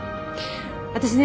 私ね